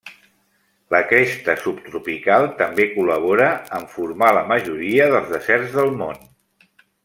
La cresta subtropical també col·labora en formar la majoria dels deserts del món.